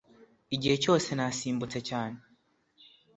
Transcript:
igihe cyose nasimbutse cyane.